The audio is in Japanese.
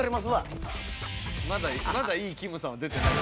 「まだいいきむさんは出てない」